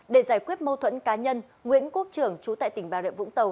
để giải quyết mâu thuẫn cá nhân nguyễn quốc trường trú tại tỉnh bà rợ vũng tàu